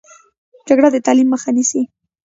جګړه د تعلیم مخه نیسي